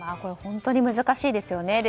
本当に難しいですよね。